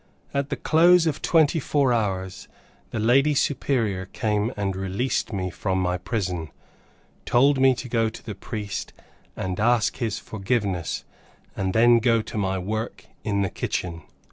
At the close of twenty four hours, the Lady Superior came and released me from my prison, told me to go to the priest and ask his forgiveness, and then go to my work in the kitchen.